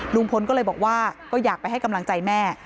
ลุงพลก็เลยบอกว่าก็อยากไปให้กำลังใจแม่